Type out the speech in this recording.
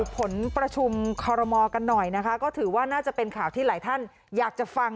ผลประชุมคอรมอลกันหน่อยนะคะก็ถือว่าน่าจะเป็นข่าวที่หลายท่านอยากจะฟัง